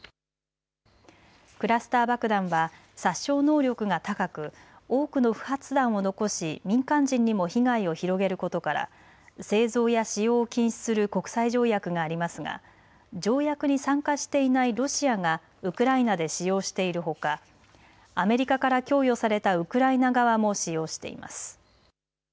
クラスター爆弾は殺傷能力が高く多くの不発弾を残し、民間人にも被害を広げることから製造や使用を禁止する国際条約がありますが条約に参加していないロシアがウクライナで使用しているほかアメリカから供与されたウクライナ側も使用しています。